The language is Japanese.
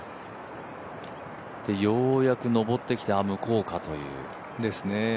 ようやく上ってきて、あ向こうかという。